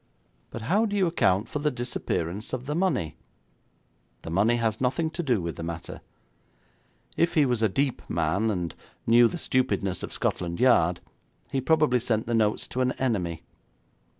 'But how do you account for the disappearance of the money?' 'The money has nothing to do with the matter. If he was a deep man, and knew the stupidness of Scotland Yard, he probably sent the notes to an enemy.